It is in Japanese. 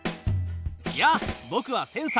やあぼくはセンサ。